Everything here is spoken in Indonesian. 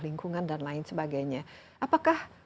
lingkungan dan lain sebagainya apakah